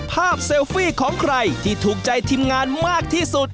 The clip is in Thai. เซลฟี่ของใครที่ถูกใจทีมงานมากที่สุด